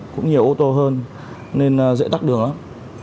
có nhiều ô tô hơn nên dễ tắt đường lắm